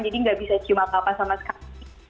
jadi gak bisa cium apa apa sama sekali